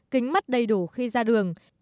kính mắt đầy đủ khi ra đường